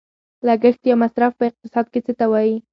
لګښت یا مصرف په اقتصاد کې څه ته وايي؟